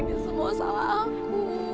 ini semua salah aku